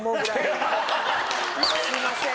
すいません。